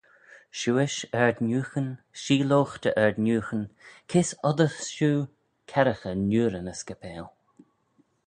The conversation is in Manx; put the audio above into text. Shiuish ard-nieughyn, sheeloghe dy ard-nieughyn, kys oddys shiu kerraghey niurin y scapail?